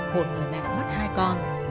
một người mẹ mất hai con